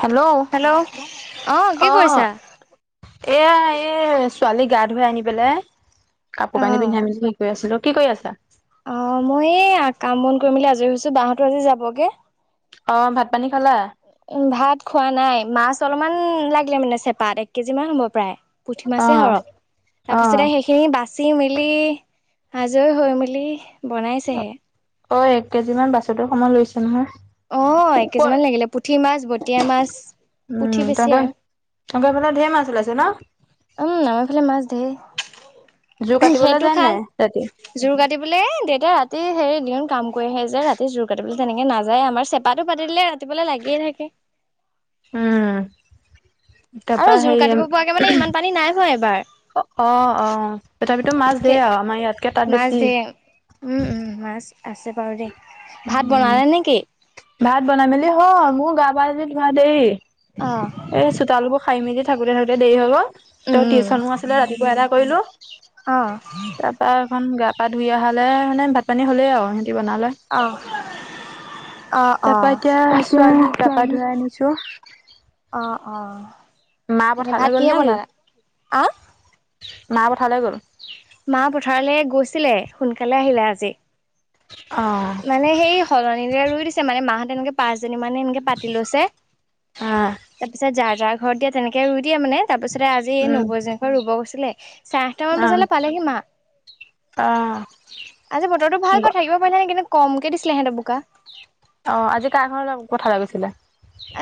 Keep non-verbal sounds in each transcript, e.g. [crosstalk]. Hello, অ কি অহ, কৰিছা? এয়া, এই ছোৱালী গা ধুুৱাই আনি পেলাই অ কাপোৰ কানি পিন্ধাই মেলি শিক কৰি আছিলোঁ, কি কৰি আছা? অ, মই এই কাম বন কৰি মেলি আজৰি হৈছোঁ বা হতো আজি যাবগে। অ, ভাত পানী খালা? উম, ভাত খোৱা নাই মাছ অলপমান লাগিলে মানে চেপাত, এক কেজি মান হ'ব প্ৰায়। পুঠি অ মাছেই সৰহ, তাৰ অ পিছতে সেইখিনি বাচি মেলি, আাজৰি হৈ মেলি, বনাইছেহে। অ, এক কেজি মান বাছোঁতেওঁ সময় লৈছে নহয়? অ, এক ক কেইযিমান লাগিলে। পুঠি মাছ, বটিয়া মাছ, পুঠি উম বেছি তহঁতৰ আৰু। তহঁতৰ সেইফালে ধেৰ মাছ ওলাইছে ন? উম, আমাৰ এইফালে মাছ ধেৰ। জোৰ কাটিবলৈ যায় নাই ৰাতি? বলে এই দেউতা ৰাতি হেৰি দিনত কাম কৰি আহে যে, ৰাতি জোৰ কাটিবলে তেনেকে নাযায়, আমাৰ চেপাটো পাতিলে ৰা তিপুৱালে লাগিয়ে থাকে। উম, তাৰপা আৰু জোৰ হেৰি কাটিব পৰাকৈ মানে ইমান পানী নাই হোৱা এবাৰ। অ, অ, তথাপিতো মাছ ধেই আৰু আমাৰ ইয়াতকে তাত মাছ বেছি। ধেৰ উম, উম মাছ আছে বাৰু দে, ভাত বনাই মেলি হ মোৰ গা পা যদি ভা দেৰি। অ, এই চোতালবোৰ সাৰি মেলি থাকোতে থাকোতে দেৰি হ'ব। ত' উম টিউচনো আছিলে ৰাতিপুৱা এটা কৰিলো অ' তাৰ তাপা এখন গা পা ধুই আহহালে মানে ভাত পানী হ'লেই আৰু সিহঁতি বনালে। অ, অ, অ, [inaudible] অ, তাৰ অ, পৰা এতিয়া তাকে ছোৱালী গা পা ধুৱাই আনিছো মা ভাত পথাৰলৈ গ'ল কিহে নে কি বনালা? আহ? মা পথাৰলে গ'ল। মা পথাৰলৈ গৈছিলে সোনকালে আহিলে আজি। অ, মানে সেই সলনিৰে ৰুই দিছে মানে মাহঁত এনেকে পাঁচজনী মানে এনেকে পাতি লৈছে। অ তাৰ পিছত যাৰ যাৰ ঘৰত দিয়া তেনেকে ৰুই দিয়ে মানে তাৰ পিছতে আজি এই উম নবৌ ঘৰত ৰুব গৈছিলে চাৰে আঠটা মান অ বজালে পালেহি মা। অ আজি বতৰটো ভাল পাই থাকিব [inaudible] কমকৈ দিছিলে সিহঁতৰ বোকা। অ, আজি কাৰ ঘৰলৈ পথাৰলৈ গৈছিলে?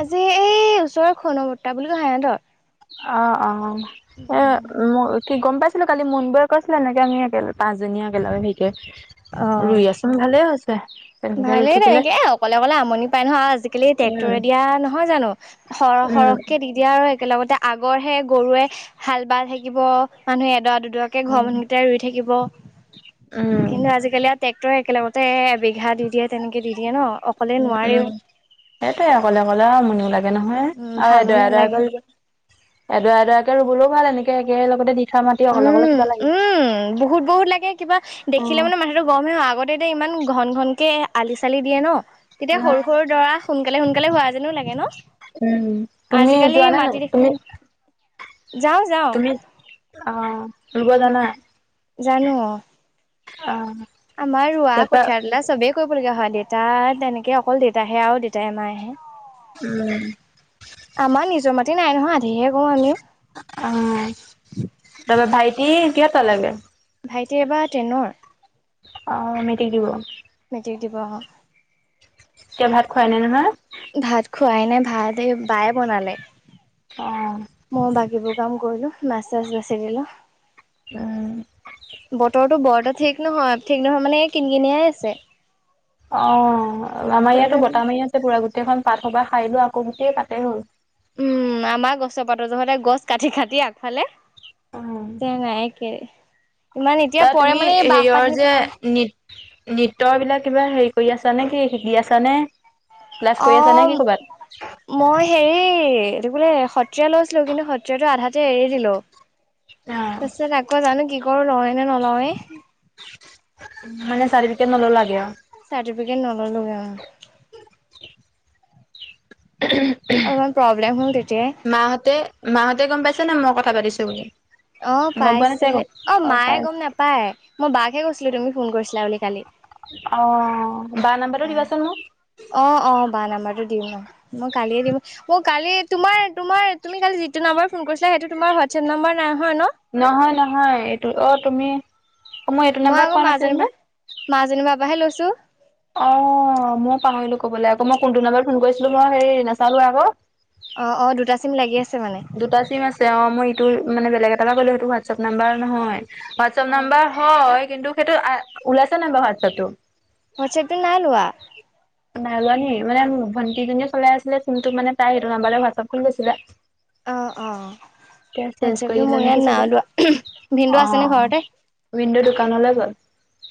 আজি এই ওচৰৰ খণ বৰ্তা বুলি কই সিঁহতৰ। অ, অ, এ উ, কি গম পাইছিলোঁ কালি মুনবোয়ে কৈছিলে এনেকে আমিেল পাঁচজনী একেলগ সিকে ৰুই অ'। আচোন ভালে হৈছে। তেনেকে ৰুই ভালেই ন থাকিলে এনেকে অকলে অকলে আমনি পাই নহয় আজি আজিকালি উম ট্ৰেক্টৰে দিয়া নহয় জানো সৰ উম সৰহকে দি এতিয়া আৰু একেলগতে আগৰহে গৰুৱে হাল বাল থাকিব মানুহে এডৰা দুডৰা কে ঘৰ উম, মানুহ কেইটাই ৰুই থাকিব উম, কিন্তু আজিিকালি আৰু ট্ৰেক্টৰে একেলগতে ঘা দি দিয়ে তেনেকৈ দি দিয়ে ন। অকলে উম, নোৱাৰেও। উম, সেইটোৱেই অকলে অকলে আমনিও লাগে গে নহয় উম, আৰু ভালো এডৰা এড নালাগে। এডৰা এডৰাৰাকে ৰুবলৈও ভাল এনেকে একে লগতে দি থোৱা মাটি অকলে অকলে উম, কিবা লাগে। উম, বহুত বহুত লাগে কিবা দেখিলে উম, মানে মা টো গমেই আগতে এতিয়া ইমান ঘন ঘন কেে আলি চালি দিয়ে ন তেতিয়া সৰু সৰু দৰা সোনকালে সোনকালে হোৱা যেনো লাগে ন উম তুমি আজিকালি যোৱা নাই ন মাটি দেখিলে তুমি যাওঁ যাওঁ আহ লব জানা জানো অ অ আমাৰ ৰোৱা তাৰপা কঠিয়াৰ দলা চবে কৰিবলগা হয় দেউতা তেনেকে অকল দেউতাহে আৰু দেউতাই এমাহ আহে উম আমাৰ নিজৰ মাি নাই নহয় আধিহে কওঁ আমিও অ তাৰপৰা ভাইটি কিহত লাগে ভাইটি এবাৰ ট্ৰেইনৰ অ মেতি দিব মেট্ৰিক দিব অ কেতিয়া ভাত খোৱাই নাই নহয় ভাত খোৱাই নাই ভাত এই বায়ে বনালে অ মই বাকীবোৰ কাম কৰিলো মাছ চাছ বাচি গিলো অ বতৰটো বৰটা ঠিক নহয় ঠিক নহয় মানে কিন কিনিয়ে আছে অ আমাৰ ইয়াতো তেওঁলোকে বত মাৰি আছে পুৰা গোটেইখন পাত সবা খাই লো আকৌ গোটেই পাতে হ'ল উম আমাৰ গছৰ পাতৰ তহঁতে গছ কাটি খাটি আগফালে এ ত নাইে ইমান এতিয়া পৰে মানে এই বাঁহপাতিনি পৰে নৃত্য বিলাক কিবা হেৰি কৰি আছা নে কি শিকি আছা নে ক্লাছ অ কৰি আছা নে কি ক'বাত? মই হেৰি এইটো বোলে সত্ৰীয়া লৈছিলো কিন্তু সত্ৰীয়াটো আধাতে এৰি দিলো তাৰিছত আকৌ জানো কি কৰো লয়ে নে নলওঁৱে মানে চাৰ্টিফিকেট নলও লাগে আৰু চাৰ্িফিকেট নল'লো উম অলপমান প্ৰব্লেম হল তেতিয়া মাহঁতে মাহঁতে গ'ম পাইছে নে মই কথা পাতিছো বুলি অ' গম পাই পোৱা নাচাগে অ বাৰ নাম্বাৰটো দিবাচোন মোক। অ' অ' বা নাম্বাৰটো দিম ন মই কালিয়ে দিম। মোক কালি তোমাৰ তোমাৰ তুমি কালি যিটো নম্বাৰ ফোন কৰিছিলা সেইটো তোমাৰ হোৱাটছএপ নাম্বাৰ নাই হয় ন নহয়, নহয়। এইটো অ' তুমি। এইটো মই নাম্বাৰত আকৌ কোৱা নাছিলো মাজনী নে? বাহ মাজনী বাৰহ পৰাহে লৈছো। অ' মই পাহৰিলো ক'বলৈ আকৌ মই কোনটো নাম্বাৰত ফোন কৰিছিলো মই হেৰি নাচালো আকৌ। অ' অ' দুটা চিম লাগি আছে মানে। দুটা চিম আছে অ মই ইটো মানে বেলেগ এটা কৰিলো, সেইটো হোৱাটচএপ নাম্বাৰ নহয় হোৱাটচআপ অ', নাম্বাৰ হয়, কিন্তু সেইটো ওলাইছো নাই বাৰু হোৱাটছএপ টো ওৱাটচপটো নাই ওলোৱা। নাই যোৱা নি মানে ভণ্টিজনীয়ে চলাই আছিলে ফোনটো মে তাইেটো নাম্বাৰ হোৱাটছআপ খুলি লৈছিলে। অ' এতিয়া অ' চেঞ্জ কৰি ওৱাটচপটো দিলে মোৰ নেকি ইয়াত চাগে নাই ওলোৱা ভিন্নদেউ আছেনে ঘৰতে। ভিন্নদেউ দুোকানলৈ গ'ল।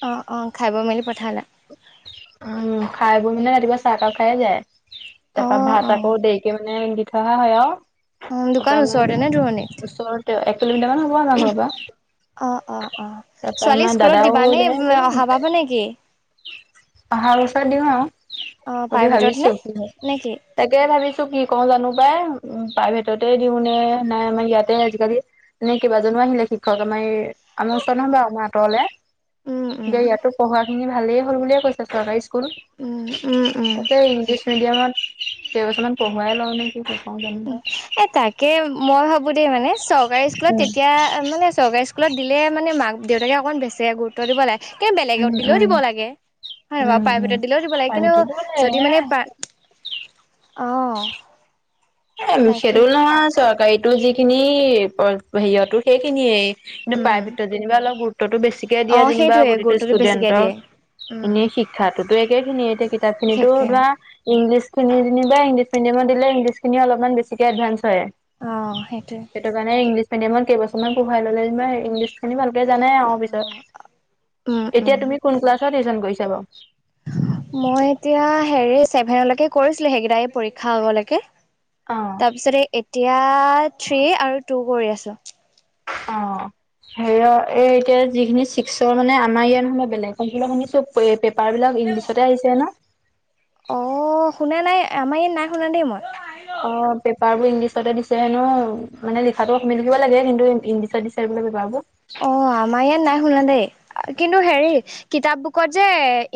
অ' অ' খাইাব মেলি পঠালা। উম, খাই বোৰ মানে ৰাতিপুৱা চাহকাপ খাইে যায় তাৰপা অ', ভাত অ', অ', আকৌ দেৰি তাকে মানে দি থয় অহা হয় আৰু তাৰ পৰা দোকান ওচৰতে নে আমাৰ দূৰণিত? ওচৰতে এক কিলোমিটাৰ মান হ'ব আমাৰ ঘৰৰ পৰা। অ' অ' তাৰপা অ'ছোৱালীক আমাৰ স্কুলত দাদাও দিবানে যায় অহা বা নেকি? অহাৰ বছৰ দিওঁ অ', আৰু বুলি প্ৰাইভেটত নে ভাবিছো। নেকি? তাকে ভাবিছো কি কৰো জানো পাই উ প্ৰাইভেটতে দিওঁ নে নাই আমাৰ ইয়াতে আজিকালি নে কেইবাজনো আহিলে শিক্ষক আমাৰ এই আমাৰ ওচৰত নহয় বাৰু আমাৰ আতৰলে। উম, উম। এতিয়া ইয়াতো পঢ়োৱাখিনি ভালেই হ'ল বুলিয়ে কৈছে, চৰকাৰী স্কুল। উম, উম। উম তাকে ইংলিছ মিডিয়ামত কেইবছমান পঢ়ুৱাই লওঁ নে কি কৰো জানো উম পাই। এ তাকে মই ভাবো দেই মানে চৰকাৰী স্কুলত উম তেতিয়া মানে চৰকাৰী স্কুল স্কুলত দিলে মানে মাক দেউতাকে অকমাণ বেছিকে গুৰুত্ব দিব লাগে। কিন্ত উম বেলেগত দিলেওঁ উম দিব লাগে, হয়ে বু উম উম প্ৰাইভেটত দিলেওঁ দিব লাগে, কিন্তু যদি মানে অ'। এ সেইতো তাকে বুলি নহয়, চৰকাৰীটো যিখিনি হেয়তো সেইখিনিয়ে। কিন্তু উম প্ৰাইভেট যেনিবা অলপ গুৰুত্বতটো বেছিকে অ দিয়া যেনিবা সেইটোৱে প্ৰতিটো গুৰুত্বটো বেছিকে দিয়ে ষ্টুডেণ্টক। এনেই শিক্ষাতো একে খিনিয়ে, এতিয়া কিতাপ খিনিতো বিশেষকে ধৰা ইংলিছ খিনি যেনিবা ইংলিছ মিডিয়ামত দিলে ইংলিছখিনি অলপমান বেছিকে এডভান্স হয়। অ' সেইটোৱে। সেইটো কাৰণে ইংলিছ মিডিয়ামত কেইবছমান পঢ়াই ল'লে মানে ইংলিছ খিনি ভালকে জানে আৰু অ পিছত, উম উম এতিয়া তুমি কোন ক্লাছচ আয়োজন কৰিছা বাৰু। মই এতিয়া হেৰি ছেভেনলৈকে কৰিছিলো সেইকেইটা পৰীক্ষা আগলৈকে। অ তাৰ পিছতে এতিয়া থ্ৰী আৰু টু কৰি আছো। অ' হেৰি এই এতিয়া যিখিনি ছিক্সৰ মানে আমাৰ ইয়াৰ নহয় বেলেগত শুনিছো চ'ব এই পেপাৰবিলাক ইংলিছতে আহিছে হেনো? অ' শুনা নাই আমাৰ ইয়াত নাই শুনা দেই মই। অ' পেপাৰ বোৰ ইংলিছতে দিছে হেনো মানে লিখাটো অসমীয়াত লিখিব লাগে। কিন্তু ইংলিছত দিছে বোলে পেপাৰ বোৰ। অ' আমাৰ ইয়াত নাই শুনা দেই, কিন্তু হেৰি কিতাপ বু কত যে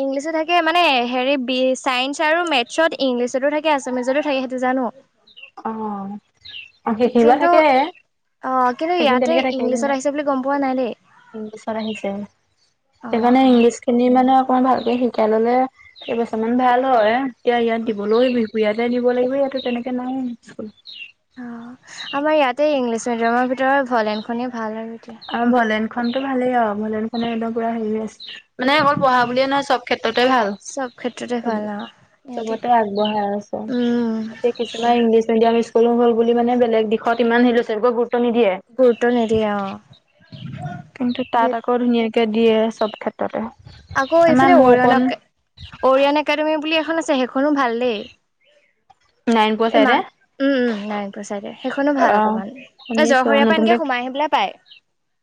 ইংলিছো থাকে মানে হেৰি বি চাইন্স আৰু মেথছত ইংলিছতো থাকে আছামীচতো থাকে সেইটো জানো। অ'। আৰু সেইখিন বাৰু কিন্তু থাকে অ' কিন্তু সেইখিনি ইয়াতে তেনেকে থাকে। ইংলিছত কিন্তু আহিছে বুলি গম পোৱা নাই দেই ইংলিছত আহিছে। অ' সেইকাৰণে অ'। ইংলিছ খিনি মানে অকমান ভালকে শিকাই ল'লে কেইবছমান ভাল হয়। এতিয়া ইয়াত দিবলৈওঁ বিহুপুৰীয়াতে দিব লাগিব, ইয়াতো তেনেকে নাই স্কুল। অ' আমাৰ ইয়াতে ইংলিছ মিডিয়ামৰ ভিতৰত ভলেনখনে ভাল আৰু এতিয়া। আৰু ভলেন খনতো ভালেই অ' ভলেন খনে এখদম পুৰা হেৰি হৈ আছে মানে। অ' পঢ়া বুলিয়ে নহয় চব ক্ষেত্ৰতে ভাল চব ক্ষেত্ৰতে চব ভাল অ' ইয়াতে চবতে আগবঢ়াই উম আছে। কিছুমান ইংলিছ মিডিয়াম স্কুলো হ'ল বুলি মানে বেলেগ দিশত ইমান হেৰি ল'ৰা ছোৱালীবোৰক গুৰুত্ব নিদিয়ে। গুৰুত্ব নিদিয়ে অ'। কিন্তু তাত সেই আকৌ ধুনীয়াকে দিয়ে চব ক্ষেত্ৰ আকৌ ততে। আমাৰ মোৰ অকণ একাডেমী বুলি এখন আছে সেইখনো ভাল দেই। নাৰায়ণপুৰ চাইডে ইমান উম উম নাৰায়ণ প্ৰসাদে সেইখনো ভাল। অ' অকমান এই শুনিছো জৰশৰীয়াৰ পৰা নতুনকে এনকে সোমাই আহি পেলাই পায়।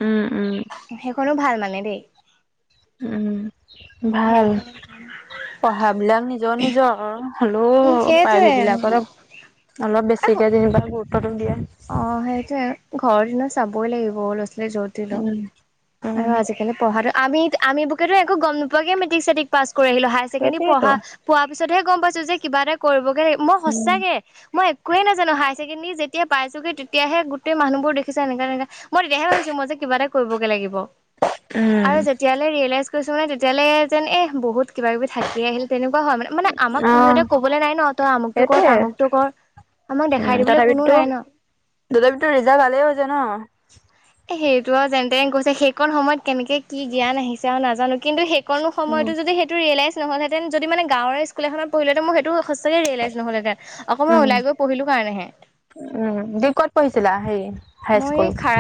উম উম। সেইখনো ভাল মানে দেই। উম ভাল, সেইদুখন পাঢ় বিলাক নিজৰ নিজৰ আকৌ। হ'লেও উম সেইটোৱে প্ৰাইভেট বিলাকথ অপ অলপ বেছিকে যেনিবা গুৰুত্বটো দিয়ে অ' সেইটোৱে ঘৰৰ যেনিবা চাবই লাগিব, ল'ৰা ছোৱালীয়ে য'ত দিলেওঁ। উম, উম, আৰু আজিকালি পঢ়া আমি আমি বুকেতো একো গ'ম নপোৱাকে মেট্ৰিক চট্ৰিক পাছ কৰি আহিলো, হায় ছেকেণ্ডাৰী সেইটোয়েতো পঢ়া পোৱা পিছতহে গ'ম পাইছো যে কিবা এটা কৰিবগে মই সচাঁকে মই কোৱে নাজানো হাই ছেকেডেী যেতিয়া পাইছোগে তেতিয়াহেোেই মানুহবোৰ দেিছে এনেককা তেনেকে মই তেতিয়াহে ভাবিছো মই যেিবাটা কৰিবগে লাগিব উম, আৰু যেতিয়া তেতিয়ালৈ ৰিয়েলাইজছোঁ মানেতিয়ালৈ যেন বহু কিব কিবি থাকি আহিলে তেনেকুৱা হয় মানে মানে আমাক কোনো অ' এটা কবলৈ নাই ন তই আমুকতটো কৰ সেইটোয়ে তামুকতটো কৰ আমাক দেখাই দিবলৈ কোনোও নাই ন দুটা মিিতৰ নিৰিজা গালেইও জান সেইটো আৰু যেনে তে কৈছে সেইখন সময়ত কেনেকে কি জ্ঞান আহিছে আৰু নাজানো কিন্তু সেই কোনো উম, সময়টো যদি সেইটো ৰিয়েলাইজ নহলহেঁতে যদি মানে গাঁৰ্কুল এখনতঢ়িলতে ম সেইটো সঁচাকে য়লাই নহলেহেনকমান উম। ওলাই গৈ পঢ়িলো কাৰণেহে উম দি ক'ত পঢ়িছিলা সেই মই খাৰ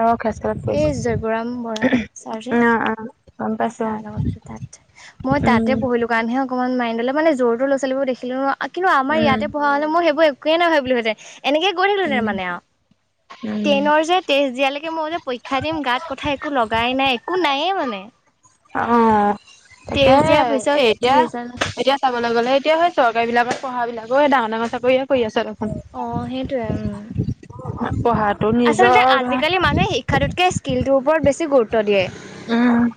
অ', খেজকালত এই পঢ়িছিলা। জয়গৰাম বৰা ছাৰ যে অ', অ', গম পাইছোঁ ছাৰ অ', লগত তাত মই উম, তাতে পঢ়িলো দোকানহে অকণমান মাইণ্ড' মানেোৰৰটো ল' ছোৱালব দেিলো ন কিন্ত আম উম, ইয়াতে পা হ'লে মইেইবোৰ কোৱে নাাবোহেতে এনেকেৈিলোহঁতে উম, মানে আৰু উম। টেইনৰ যে টেষ্ট দিয়ালৈকে মই ম পৰীক্ষা দিম গাত কথা একো লগাই নাই একো নাইয়ে মানে অ তাকে টেষ্ট দিয়াৰ পিছত এ এতিয়া ৰিজাল্ট এতিয়া চাবলৈ গ'লে এতিয়া হয় চৰকাৰী বিলাকৰ পঢ়া বিাককে ডাঙৰাঙৰ চাকৰিয়ে কৰি আছে তখ অ সেইটোৱে উপহাৰ আচলতে আজিকালি মানুহে শিক্ষাটোতকৈ স্কিলটোৰ ওপৰত বেছি গুৰুত্ব দিয়ে উম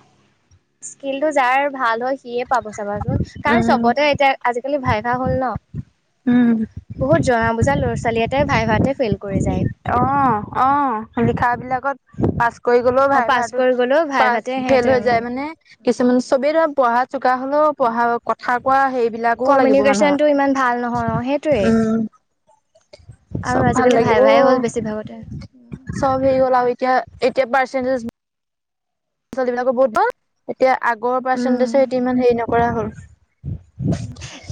স্কিল টো যাৰ ভাল হয় সিয়ে পাব চাবাচোন কাৰণ উম, চবতে এতিয়া আজিকালি ভাই ভা হ'ল ন উম বহুত জনা বুজা লৰাোৱাল এতে ভাই ভাতে ফেইল কৰি যায় অ অ লিখা বিলাকত পাচ কৰি গ'লেও ভাই অ' পাছ ভাৰটোত কৰি গ'লেও পাছ ভাইভাতে ফেইল সিহঁতে হৈ উম। যায় মানে কিছুমান চবেই ধৰা পঢ়া চোকা হলেও পঢ়া কথা কোৱা সেইবিলাক আকৌ লাগিব কমিউনিকেশ্যনটো ইমান ভাল নহয় অ' সেইটোৱে। মানুহৰ উম আৰু চব ভাল আজিকালি লাগিব অ ভাইভাই হ'ল বেছিভাগতে চব হৈ গল আৰু এতিয়া এতিয়া পাৰ্চেন্টেজ ী বিলাকো বহুতল এতিয়া আগৰ উম। পাৰ্চেন্টেজ ইমান হেৰি নকৰা হ'ল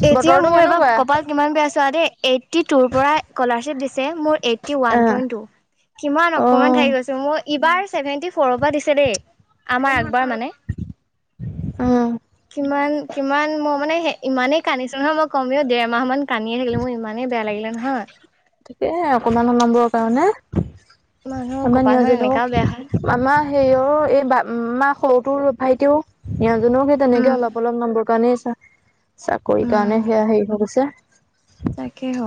এতিয়া বতৰটো মোৰ এবাৰ কেনেকুৱা? কপাল কিমান বেয়া চোৱা দেই এইট্টি টুৰ পৰা স্কলাৰশ্বিপ দিছে মোৰ এইট্টি ওৱান অ', পইণ্ট টু কিমান অ', অকমান াকি গৈছো মোৰ ইবাৰ চছেভেনটি ফ'ৰৰ পৰা দিছে দেই আমাৰ আগবাৰ মানে অ কিমান কিমান মই মানে ইমানেই কান্িছ নহয় মই কমেও দেৰ মাহ মান কানি আ থাকিলে মোৰ ইমানেই বেয়া লাগিলে নহয় তাকে অকমান সোমাবৰ কাৰণে মানুহৰ আমাৰ কপালখন নিয়জনেও এনেকাও বেয়া হয় আমাৰ হেয়ৰ এই বা মা সৰুটো ভাইটিও সিহঁজননেও সেই তেনেকে উম অলপ অলপ নামৰ কাৰণে চাকৰি উম কাৰণে সেয়া হেৰি হৈ গৈছে তাকে হ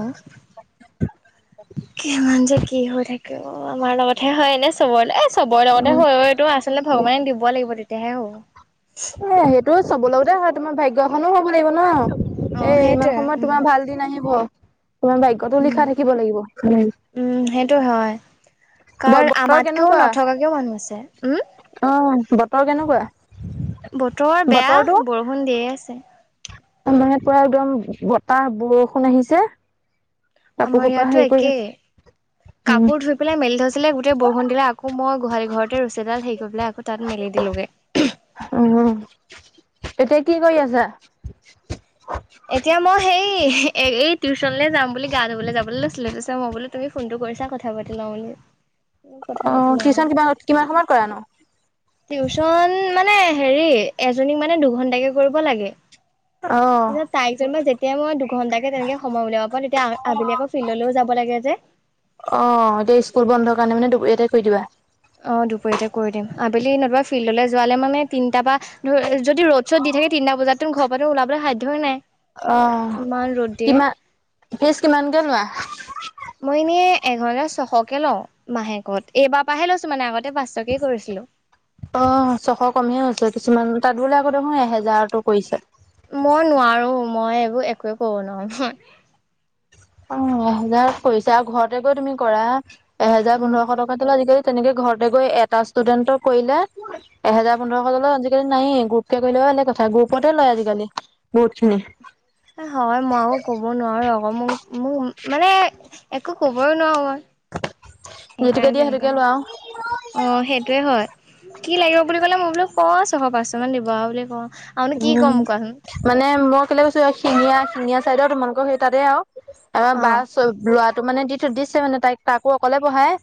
কিমান যে কি হৈ থাকে আমাৰ লগতহে হয়নেে চবলৈ চবৰে লগতে উম এ হৈটো আচলতে ভগৱানেক দিব লাগিব তেতিয়াহে হ'ব সেইটো চব লগোতে হয় তোমাৰ ভাগ্য় এখনো হ'ব লাগিব অ ন এ ইমান সেইটোৱে সময়ত উম তোমাৰ ভাল আহিব তোমাৰ বাগ্য়তটো উম লিখা থাকিব লাগিব উম সেইটো হয় কাৰণ বতৰ আমাতকেও কেনেকুৱা নথকাকেও মানুহ আছে উম অ বতৰ কেনেকুৱা বতৰৰ বেয়া বতৰটো বৰষুণ দিয়ে আছে মানে পুৰা একদম বতাহ বৰষুণ আহিছে কাপোৰ আমাৰ সোপা ইয়াতো হেৰি কৰি একেই। আছে উম কাপোৰ ধুই পেলাই মেলি থৈছিলে গোটেই বৰষুণ দিলে আকৌ মই গোহালি ঘৰতে ৰছীডাল হেই কৰি পেলাই আকৌ তাত মেলি দিলোগে। উম এতিয়া কি কৰি আছা? এতিয়া মই সেই এ এই টিউচনলৈ যাম বুলি গা ধুবলৈ যাবলৈ লৈছিলো ত' মই বোলো তুমি ফোনটো কৰিছা কথা পাতি লওঁ বুলি কথা পাতি অ' লওঁ আৰু। টিউচন কিমান কিমান সময়ত কৰা নো? টিউচন মানে হেৰি এজনীক মানে দুঘন্টাকে কৰিব লাগে। অ'। তাৰপিছত তাইক যে মই যেতিয়া মই দুঘণ্টা কে তেনেকে সময় উলিয়াব পাৰু তেতিয়া আবেলি আকৌ ফিল্ডলৈও যাব লাগে যে। অ' এতিয়া স্কুল বন্ধৰ কাৰণে মানে [unintelligible] দিবা অ' দুপৰীয়াতে কৰি দিম আবেলি নতবা ফিল্ডলৈ যোৱালে মানে তিনিটা বা ধ যদি ৰ'দ চদ দি থাকে তিনিটা বজাত তো ঘৰাতে ওলাবলৈ সাধ্যয়ে নাই। অ' ইমান ৰ'দ দিয়ে। কিমান ফিচ কিমানকে লোৱা? মই এনেই এঘজাৰ ছশকে লওঁ মাহেকত এইবাৰ পৰাহে লৈছো মানে আগত ত পাঁচশকে কৰিছিলো। অ' ছশ কমহে হৈছে কিছুমান তাত বোলে আকৌ দেখো এহেজাৰতো কৰিছে। মই নোৱাৰো মই এইবোৰ একোৱে কৰো ন উম এহেজাৰ কৰিছে আৰু ঘৰতে গৈ তুমি কৰা এহেজাৰ উম পোন্ধৰশ টকা। আজিকালি তেনেকে ঘৰতে গৈ এটা ষ্টুডেন্টক কৰিলে এহেজাৰ পোন্ধৰশ তলত আজিকালি নাইয়ে গ্ৰুপকে কৰিলে বেলেগ কথা গ্ৰুপতে লয় আজিকালি বহুত খিনি হয় মই আৰু ক'ব নোৱাৰো আকৌ, মোক মোক মানে একো কবই নোৱাৰো মই। যিটোকে সেইকাৰণে দিয়ে তেনেকুৱা সেইটোকে হয়। লয় আৰু অ' সেইটোয়ে হয়। কি লাগিব বুলি ক'লে মই বোলো ক ছশ পাঁচশ মান দিব আৰু বুলি কওঁ। আৰুনো কি উম ক'ম কোৱাচোন মানে মই কেলে কৈছো শিঙীয়া শিঙিয়া চাইডৰ তোমালোকৰ সেই তাতে আৰু আমাৰ বা অ'। ল'ৰাটো মানে দি দিছে মানে তাই তাকো অকলে পঢ়ায়।